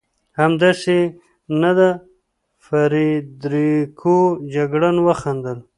همداسې نه ده فرېدرېکو؟ جګړن وخندل.